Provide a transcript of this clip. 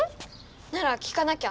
⁉なら聞かなきゃ。